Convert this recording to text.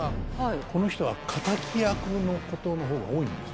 この人は敵役のことの方が多いんです。